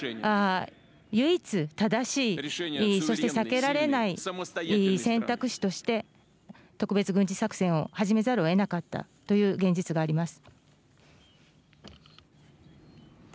それに対して私たちが唯一、正しい、そして避けられない選択肢として特別軍事作戦を始めざるをえなかったという現実があります。